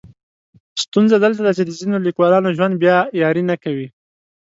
ستونزه دلته ده چې د ځینو لیکولانو ژوند بیا یاري نه کوي.